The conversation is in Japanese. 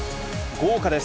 豪華です。